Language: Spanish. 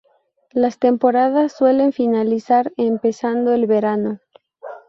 Las temporadas suelen finalizar empezando el verano.